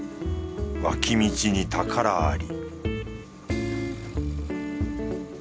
脇道に宝あり